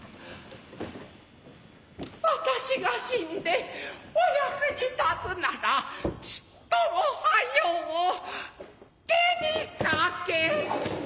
私が死んでお役に立つならちっとも早う手にかけて。